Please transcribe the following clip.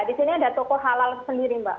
disini ada toko halal sendiri mbak